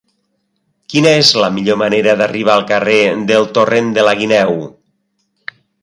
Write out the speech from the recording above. Quina és la millor manera d'arribar al carrer del Torrent de la Guineu?